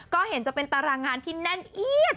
ก็เห็นจะเป็นตารางงานที่แน่นเอี๊ยด